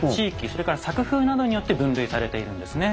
それから作風などによって分類されているんですね。